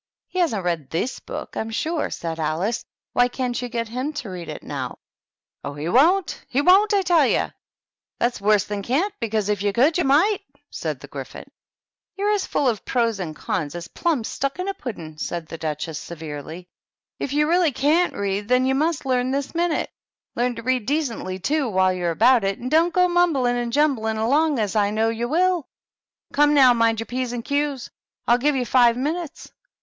"He hasn't read this book, I'm sure," said Alice. "Why can't you get him to read it now ?"" Oh, he won't, he won't, I tell you ! That's THE TEA TABLE. 71 worse than cavbt, because if you could, you might," said the Gryphon. "You're as Ml of pro's and con's as plums stuck in a pudding," said the Duchess, severely. "If you really canUt read, then you must learn this minute. Learn to read decently, too, while you're about it, and don't go mumbling and jumbling along, as I know you will. Come, now, mind your P's and Q's. I'll give you five min utes."